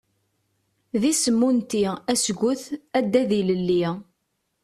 D isem unti, asget, addad ilelli.